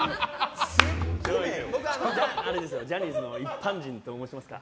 僕は、ジャニーズの一般人と申しますか。